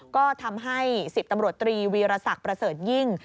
ก็ทำให้๑๐ตำรวจตรีวีรศักดิ์ประเสริฐยิ่ง